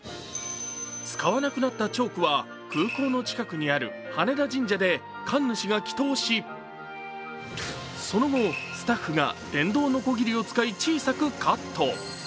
使わなくなったチョークは空港の近くにある羽田神社で神主が祈とうしその後、スタッフが電動のこぎりを使い小さくカット。